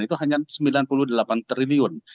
itu hanya sembilan puluh delapan triliun